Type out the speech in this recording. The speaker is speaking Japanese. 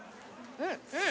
うん。